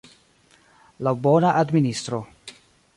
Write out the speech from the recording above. Laŭ bona administro.